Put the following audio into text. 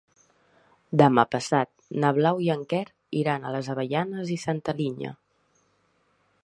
Demà passat na Blau i en Quer iran a les Avellanes i Santa Linya.